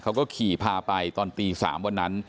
เขาก็ขี่พาไปตอนตี๓วันนั้น